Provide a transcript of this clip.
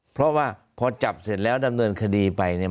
เพราะว่าพอจับเสร็จแล้วดำเนินคดีไปเนี่ย